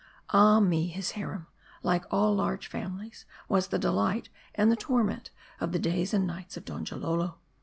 Ah me ! his harem, like all large families, was the delight and the torment of the days and nights of Donjalolo.